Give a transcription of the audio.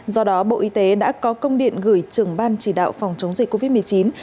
do đó bộ y tế đã có công điện gửi trưởng ban chỉ đạo phòng chống dịch covid một mươi chín